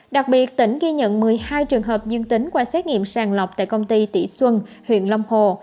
đặc biệt tỉnh ghi nhận một mươi hai trường hợp dương tính qua xét nghiệm sàng lọc tại công ty tỉ xuân huyện long hồ